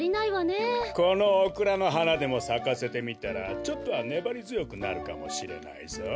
このオクラのはなでもさかせてみたらちょっとはねばりづよくなるかもしれないぞ。